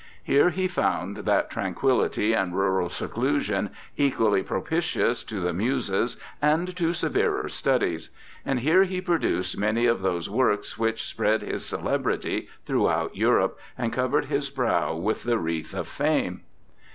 Here he found that tranquillity and rural seclusion, equally propitious to the muses and to severer studies; and here he produced many of those works which spread his celebrity throughout Europe and covered his brow with the wreath of fame.'